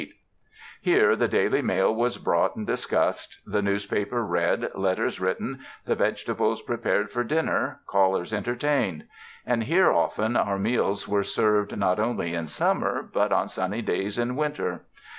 Here the 244 RESIDENCE IN THE LAND OF SUNSHINE daily mail was brought and discussed, the news paper read, letters written, the vegetables prepared for dinner, callers entertained; and here often our meals were served not only in summer, but on sunny days in winter.